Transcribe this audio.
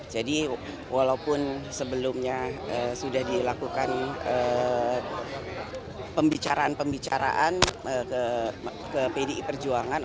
jadi walaupun sebelumnya sudah dilakukan pembicaraan pembicaraan ke pdi perjuangan